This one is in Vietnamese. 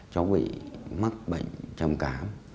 cháu bị mắc bệnh trầm cảm